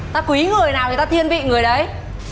ta quý người nào người ta thiên vị người đấy